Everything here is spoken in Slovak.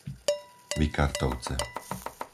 Vikartovce